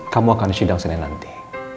kamu akan sidang senin nanti